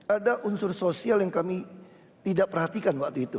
ada unsur sosial yang kami tidak perhatikan waktu itu